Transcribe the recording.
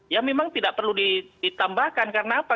ya memang tidak perlu ditambahkan karena apa